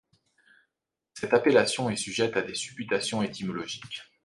Cette appellation est sujette à des supputations étymologiques.